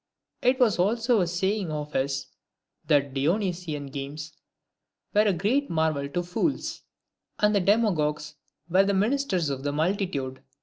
It was also a saying of his that the Dionysian games were a great marvel to fools ; and that the demagogues were the ministers of the multitude.